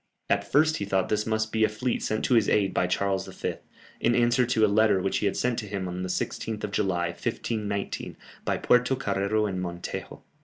At first he thought this must be a fleet sent to his aid by Charles V., in answer to a letter which he had sent to him on the 16th of July, 1519, by Puerto Carrero and Montejo.